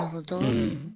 うん。